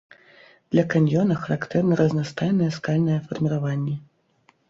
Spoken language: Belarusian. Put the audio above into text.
Для каньёна характэрны разнастайныя скальныя фарміраванні.